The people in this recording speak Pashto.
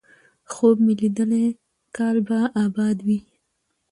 خوب مې ليدلی کال به اباد وي،